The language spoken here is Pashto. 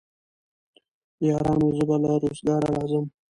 يارانو زه به له روزګاره راځم